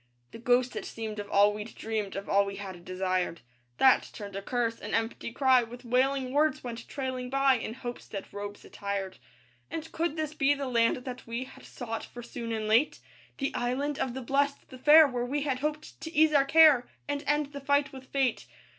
The ghost it seemed of all we'd dreamed, Of all we had desired; That turned a curse, an empty cry With wailing words went trailing by In hope's dead robes attired. And could this be the land that we Had sought for soon and late? That Island of the Blest, the fair, Where we had hoped to ease our care And end the fight with fate.